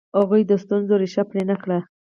هغوی د ستونزو ریښه پرې نه کړه.